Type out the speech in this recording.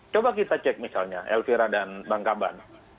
coba kita cek misalnya elvira dan bang kaban